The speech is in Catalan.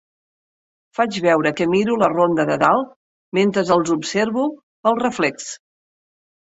Faig veure que miro la Ronda de Dalt mentre els observo pel reflex.